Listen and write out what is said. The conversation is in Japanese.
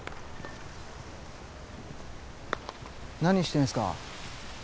何してるんですか？